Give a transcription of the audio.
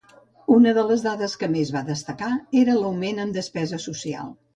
Una de les dades que més va destacar era l’augment en despesa social.